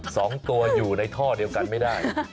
สองตัวอยู่ในท่อเดียวกันไม่ได้